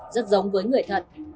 rất giống với người thật